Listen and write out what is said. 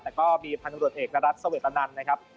แต่ก็มีพันธุรกิจเอกนรัฐเสวตนันนะครับ